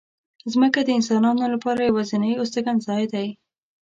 مځکه د انسانانو لپاره یوازینۍ استوګنځای دی.